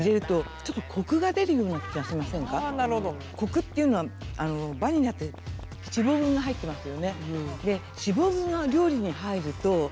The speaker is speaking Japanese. コクっていうのはバニラって脂肪分が入ってますよね。